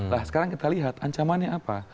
nah sekarang kita lihat ancamannya apa